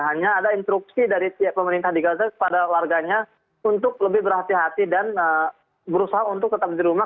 hanya ada instruksi dari pemerintah di gaza kepada warganya untuk lebih berhati hati dan berusaha untuk tetap di rumah